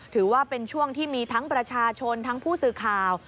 ถือว่าเป็นช่วงที่มีทั้งประชาชนทั้งผู้สื่อข่าว